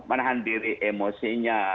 menahan diri emosinya